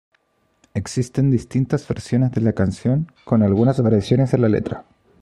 Existen distintas versiones de la canción con algunas variaciones en la letra.